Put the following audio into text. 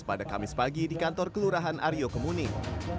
pada kamis pagi di kantor kelurahan aryo kemuning